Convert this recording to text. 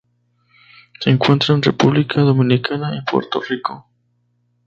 Se encuentra en República Dominicana y Puerto Rico.